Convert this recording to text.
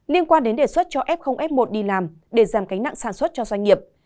liên quan đến đề xuất cho f f một đi làm để giảm cánh nặng sản xuất cho doanh nghiệp